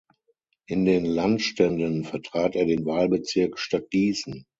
In den Landständen vertrat er den Wahlbezirk Stadt Gießen.